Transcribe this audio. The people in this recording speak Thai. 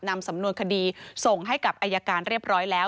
สำนวนคดีส่งให้กับอายการเรียบร้อยแล้ว